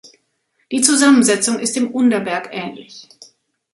Die Zusammensetzung ist dem Underberg ähnlich.